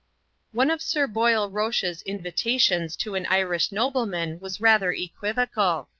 One of Sir Boyle Roche's invitations to an Irish nobleman was rather equivocal.